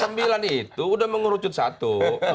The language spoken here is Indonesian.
sembilan itu udah mengerucut satu